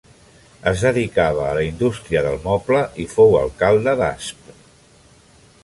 Es dedicava a la indústria del moble i fou alcalde d'Asp.